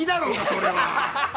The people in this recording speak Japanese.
それは！